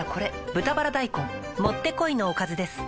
「豚バラ大根」もってこいのおかずです